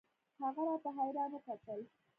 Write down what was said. هغه راته حيران وکتل.